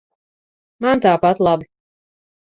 Man tāpat labi.